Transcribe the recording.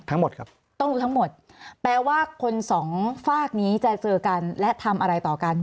ทั้งหมดครับต้องรู้ทั้งหมดแปลว่าคนสองฝากนี้จะเจอกันและทำอะไรต่อกัน